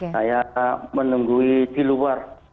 saya menunggu di luar